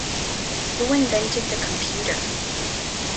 Who invented the computer?